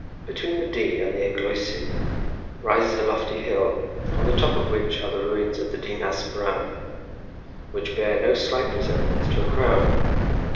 Between the Dee and the Eglwysig rises a lofty hill, on the top of which are the ruins of Dinas Bran, which bear no slight resemblance to a crown.